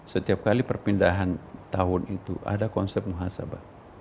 setiap kali perpindahan tahun itu ada konsep muhasabah